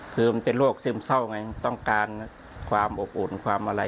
คือมันเป็นโรคซึมเศร้าไงต้องการความอบอุ่นความอะไร